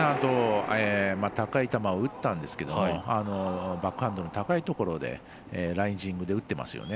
高い球を打ったんですけどもバックハンドの高いところでライジングで打ってますよね。